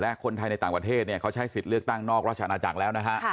และคนไทยในต่างประเทศเนี่ยเขาใช้สิทธิ์เลือกตั้งนอกราชอาณาจักรแล้วนะฮะ